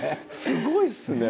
すごいっすね。